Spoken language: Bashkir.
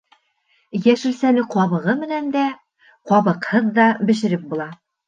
Йәшелсәне ҡабығы менән дә, ҡабыҡһыҙ ҙа бешереп була